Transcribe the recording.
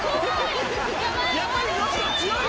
やっぱり能代強い。